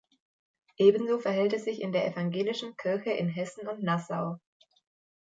Ebenso verhält es sich in der Evangelischen Kirche in Hessen und Nassau.